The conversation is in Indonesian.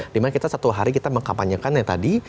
dimana kita satu hari kita mengkampanyekannya tadi